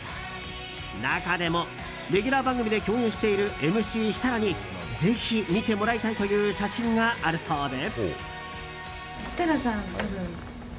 中でもレギュラー番組で共演しているＭＣ設楽にぜひ見てもらいたいという写真があるそうで。